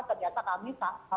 ternyata kami tidak tahu